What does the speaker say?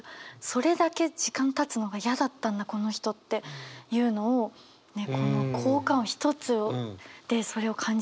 それだけ時間たつのが嫌だったんだこの人っていうのをこの効果音一つでそれを感じさせるんだと思いました。